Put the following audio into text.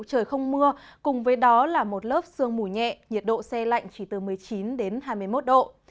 trời không mưa cùng với đó là một lớp sương mù nhẹ nhiệt độ xe lạnh chỉ từ một mươi chín đến hai mươi một độ